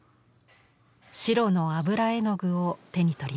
白の油絵の具を手に取りました。